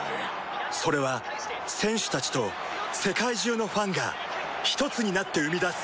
それは選手たちと世界中のファンがひとつになって生み出す